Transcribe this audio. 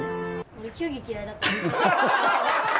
俺球技嫌いだから。